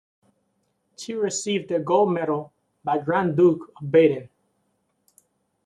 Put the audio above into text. She received a gold medal by the Grand Duke of Baden.